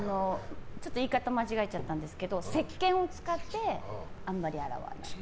ちょっと言い方間違えちゃったんですけどせっけんを使ってあんまり洗わない。